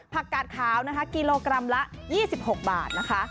ผักกาดขาวกิโลกรัมละ๒๖บาทนะคะ